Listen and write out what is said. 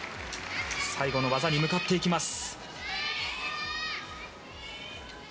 最後の技に向かっていきます。